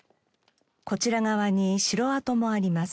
こちら側に城跡もあります。